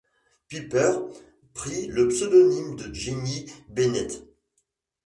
Piper prit le pseudonyme de Jenny Bennet.